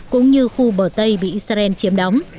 cũng như khu bờ tây bị israel chiếm đóng